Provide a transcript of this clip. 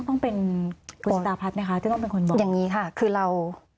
ต้องเป็นคุณสตาพัฒน์ไหมคะที่ต้องเป็นคนบอกอย่างนี้ค่ะคือเรา